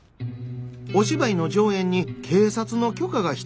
お芝居の上演に警察の許可が必要なこの時代。